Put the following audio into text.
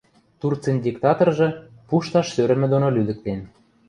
Турцин диктаторжы пушташ сӧрӹмӹ доно лӱдӹктен